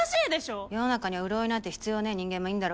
世の中には潤いなんて必要ねぇ人間もいんだろうが。